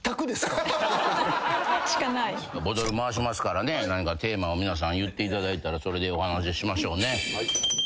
ボトル回しますから何かテーマを皆さん言っていただいたらそれでお話ししましょうね。